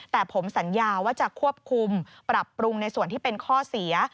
แต่ผมสัญญาว่าจะควบคุมปรับปรุงในส่วนที่เป็นข้อเสีย